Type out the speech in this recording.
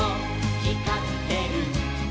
ひかってる」